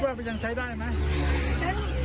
ขั้นข้างค่างมันลึกลงไปอีก